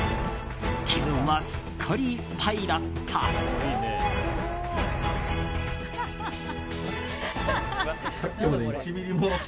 気分はすっかりパイロット。